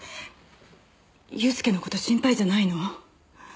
祐介の事心配じゃないの？